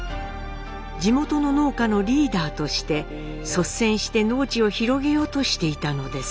地元の農家のリーダーとして率先して農地を広げようとしていたのです。